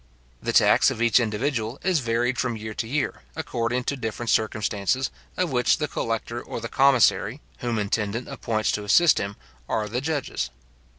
} The tax of each individual is varied from year to year, according to different circumstances, of which the collector or the commissary, whom intendant appoints to assist him, are the judges.